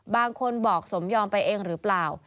บางคนบอกสมยอมไปเองหรือเปล่า